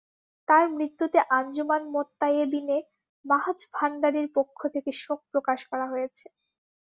তাঁর মৃত্যুতে আঞ্জুমান মোত্তায়েবীনে মাহজভাণ্ডারীর পক্ষ থেকে শোক প্রকাশ করা হয়েছে।